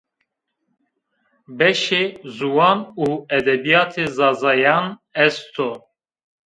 Beşê Ziwan û Edebîyatê Zazayan est o